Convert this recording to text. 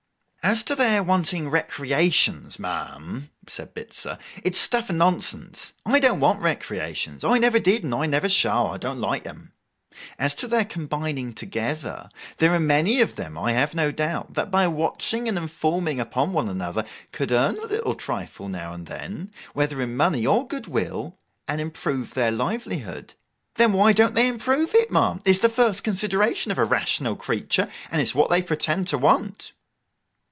'As to their wanting recreations, ma'am,' said Bitzer, 'it's stuff and nonsense. I don't want recreations. I never did, and I never shall; I don't like 'em. As to their combining together; there are many of them, I have no doubt, that by watching and informing upon one another could earn a trifle now and then, whether in money or good will, and improve their livelihood. Then, why don't they improve it, ma'am! It's the first consideration of a rational creature, and it's what they pretend to want.